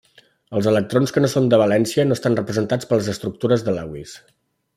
Els electrons que no són de valència no estan representats per les estructures de Lewis.